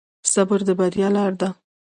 صبر د بریا لاره ده.